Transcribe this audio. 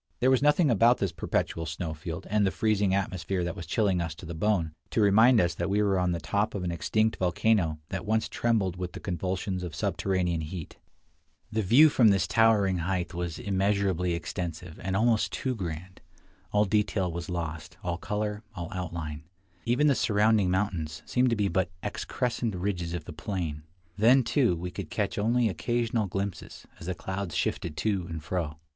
There was nothing about this perpetual snow field, and the freezing atmosphere that was chilling us to the bone, to remind us that we were on the top of an extinct volcano that once trembled with the convulsions of subterranean heat. The view from this towering height was immeasurably extensive, and almost too grand. All detail was lost — all color, all outline; even the surrounding mountains seemed to be but excrescent ridges of the plain. Then, too, we could catch only occasional glimpses, as the clouds shifted to and fro.